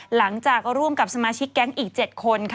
หลังจากร่วมกับสมาชิกแก๊งอีก๗คนค่ะ